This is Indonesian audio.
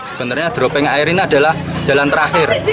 sebenarnya dropping air ini adalah jalan terakhir